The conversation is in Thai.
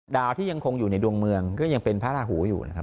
ดาวที่ยังคงอยู่ในดวงเมืองก็ยังเป็นพระราหูอยู่นะครับ